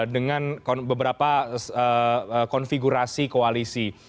dengan beberapa konfigurasi koalisi